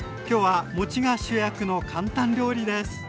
今日はもちが主役の簡単料理です！